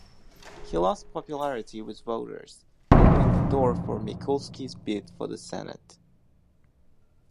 He lost popularity with voters, opening the door for Mikulski's bid for the Senate.